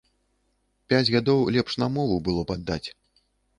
Пяць гадоў лепш на мову было б аддаць.